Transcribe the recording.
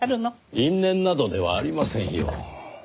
因縁などではありませんよ。